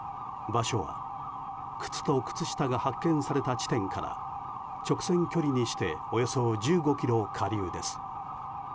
場所は靴と靴下が発見された地点から直線距離にしておよそ１５ｋｍ下流です。